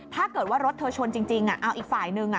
ถ้าเกิดว่ารถเธอชนจริงเอาอีกฝ่ายนึง